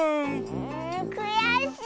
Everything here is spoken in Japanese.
んくやしい！